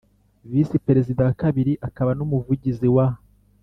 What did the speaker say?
Visi Perezida wa kabiri akaba n Umuvugizi wa